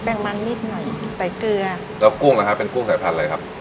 งมันนิดหน่อยใส่เกลือแล้วกุ้งล่ะครับเป็นกุ้งสายพันธุ์อะไรครับ